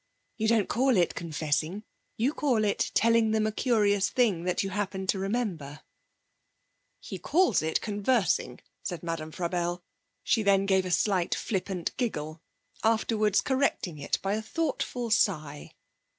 You don't call it confessing, you call it telling them a curious thing that you happen to remember.' 'He calls it conversing,' said Madame Frabelle. She then gave a slight flippant giggle, afterwards correcting it by a thoughtful sigh.